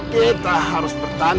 kita harus bertahan